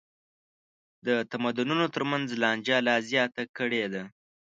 د تمدنونو تر منځ لانجه لا زیاته کړې ده.